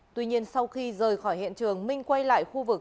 tuy nhiên sau khi rời khỏi hiện trường minh quay lại khuôn